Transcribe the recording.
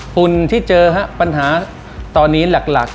ผลที่เจอปัญหาตอนนี้หลัก